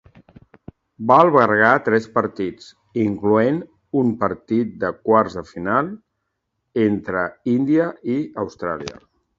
Va albergar tres partits, incloent un partit de quarts de final entre Índia i Austràlia.